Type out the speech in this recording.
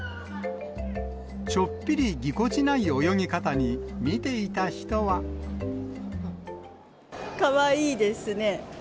ちょっぴりぎこちない泳ぎ方に、かわいいですね。